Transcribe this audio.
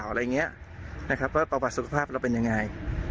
อะไรอย่างนี้นะครับว่าประวัติสุขภาพเราเป็นยังไง